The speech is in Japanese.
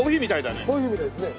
コーヒーみたいですね。